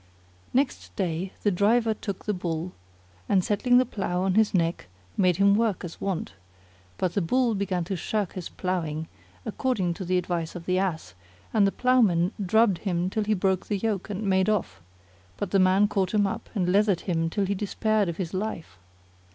Next day the driver took the Bull, and settling the plough on his neck,[FN#31] made him work as wont; but the Bull began to shirk his ploughing, according to the advice of the Ass, and the ploughman drubbed him till he broke the yoke and made off; but the man caught him up and leathered him till he despaired of his life.